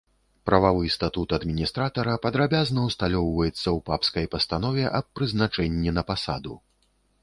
Прававы статут адміністратара падрабязна ўсталёўваецца ў папскай пастанове аб прызначэнні на пасаду.